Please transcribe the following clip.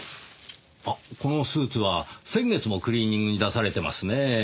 あっこのスーツは先月もクリーニングに出されてますねぇ。